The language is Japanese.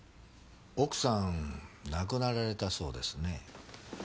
奥さん亡くなられたそうですね。